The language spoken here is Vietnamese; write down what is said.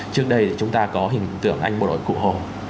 trước đây chúng ta có hình tượng anh bộ đội cụ hồ